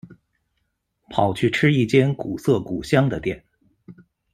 跑去吃一间古色古香的店